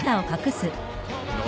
何？